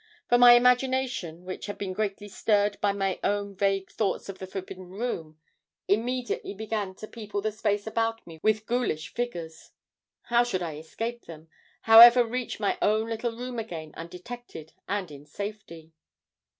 For my imagination which had been greatly stirred by my own vague thoughts of the forbidden room, immediately began to people the space about me with ghoulish figures. How should I escape them, how ever reach my own little room again undetected and in safety?